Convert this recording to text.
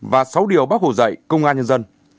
và sáu điều bác hồ dạy công an nhân dân